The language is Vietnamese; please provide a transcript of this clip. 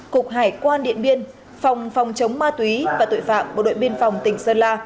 cục hải quan điện biên phòng phòng chống ma túy và tội phạm bộ đội biên phòng tỉnh sơn la